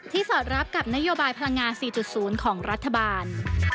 สอดรับกับนโยบายพลังงาน๔๐ของรัฐบาล